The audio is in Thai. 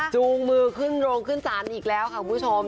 จูงมือขึ้นโรงขึ้นศาลอีกแล้วค่ะคุณผู้ชม